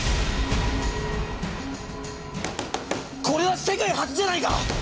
これは世界初じゃないか！